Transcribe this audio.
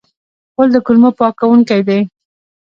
غول د کولمو پاکونکی دی.